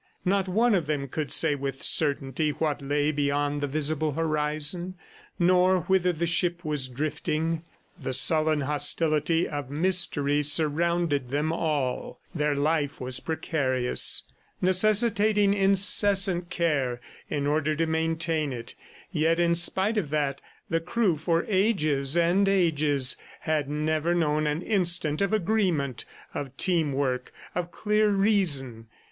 Not one of them could say with certainty what lay beyond the visible horizon, nor whither the ship was drifting. The sullen hostility of mystery surrounded them all; their life was precarious, necessitating incessant care in order to maintain it, yet in spite of that, the crew for ages and ages, had never known an instant of agreement, of team work, of clear reason.